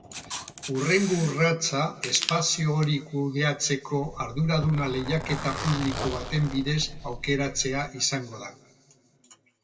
Hurrengo urratsa espazio hori kudeatzeko arduraduna lehiaketa publiko baten bidez aukeratzea izango da.